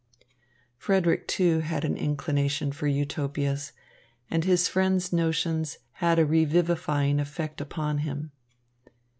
Frederick, too, had an inclination for Utopias, and his friend's notions had a revivifying effect upon him.